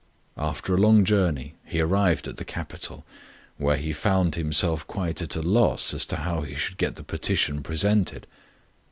After a long journey he arrived at the capital, where he found himself quite at a loss as to how he should get the petition presented.